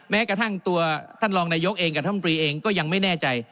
แม้กระทั่งตัวท่านรองนายกเองกับท่านปรีเองก็ยังไม่แน่ใจ